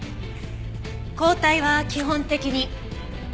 抗体は基本的に。